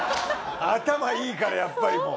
頭いいからやっぱりもう。